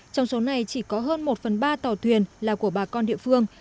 trong số này chỉ có hơn một phần ba tàu thuyền là của bà con địa phương